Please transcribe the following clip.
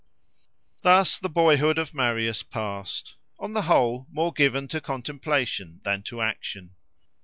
Thus the boyhood of Marius passed; on the whole, more given to contemplation than to action.